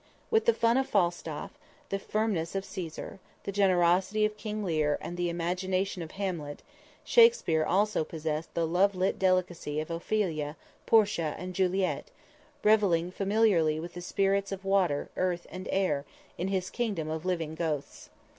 With the fun of Falstaff, the firmness of Cæsar, the generosity of King Lear and the imagination of Hamlet, Shakspere also possessed the love lit delicacy of Ophelia, Portia and Juliet, reveling familiarly with the spirits of water, earth and air, in his kingdom of living ghosts.